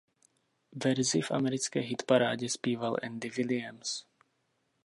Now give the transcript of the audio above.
Verzi v americké hitparádě zpíval Andy Williams.